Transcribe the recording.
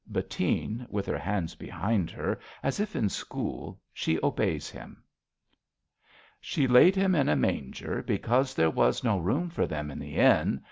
Bettine {with her hands behind her, as if in school, she obeys him). She laid Him in a manger, because there was no room for them in the inn.